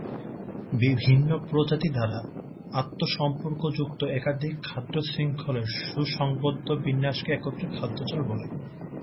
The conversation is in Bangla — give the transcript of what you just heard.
বিভিন্ন প্রজাতি দ্বারা, আন্তসম্পর্কযুক্ত একাধিক খাদ্যশৃঙ্খলের সুসংবদ্ধ বিন্যাসকে একত্রে খাদ্যজাল বলে।